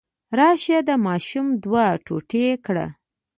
راشه دا ماشوم دوه ټوټې کړه.